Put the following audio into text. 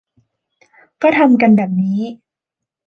ก็ทำกันแบบนี้